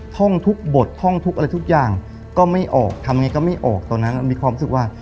ท่องทุกบทท่องทุกอะไรทุกอย่างก็ไม่ออกทำไงก็ไม่ออกตอนนั้นมีความรู้สึกว่า